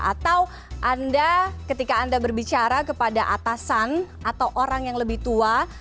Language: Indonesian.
atau anda ketika anda berbicara kepada atasan atau orang yang lebih tua